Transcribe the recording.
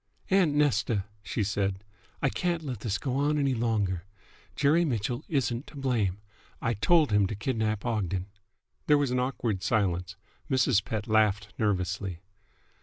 "Aunt Nesta," she said, "I can't let this go on any longer. Jerry Mitchell isn't to blame. I told him to kidnap Ogden!" There was an awkward silence. Mrs. Pett laughed nervously.